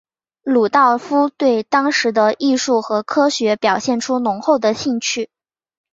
鲁道夫对当时的艺术和科学表现出浓厚的兴趣。